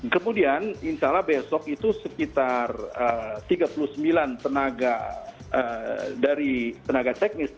kemudian insya allah besok itu sekitar tiga puluh sembilan tenaga dari tenaga teknis